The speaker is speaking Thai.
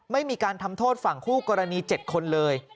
ไม่มีการทำโทษฝั่งคู่กรณี๗คนเลย